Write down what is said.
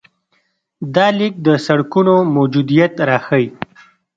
دا لیک د سړکونو موجودیت راښيي.